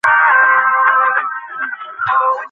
এসে আমাকে আশ্চর্য করেছো।